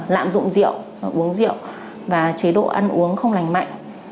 lạm dụng rượu uống rượu và chế độ ăn uống không lành mạnh